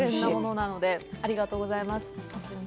ありがとうございます。